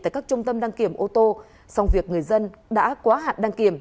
tại các trung tâm đăng kiểm ô tô song việc người dân đã quá hạn đăng kiểm